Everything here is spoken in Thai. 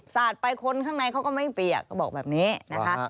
สาดไปคนข้างในเขาก็ไม่เปียกก็บอกแบบนี้นะคะ